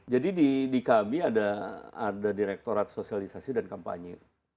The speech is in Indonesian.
jadi di kab ada direktorat sosialisasi dan kampanye